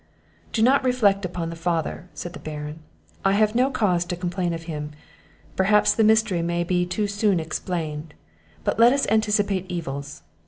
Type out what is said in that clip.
"Do not reflect upon the father," said the Baron; "I have no cause to complain of him; perhaps the mystery may be too soon explained; but let us not anticipate evils.